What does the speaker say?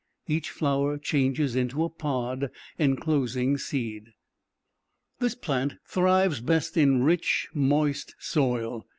Each flower changes into a pod, enclosing seed. This plant thrives best in a rich, moist soil.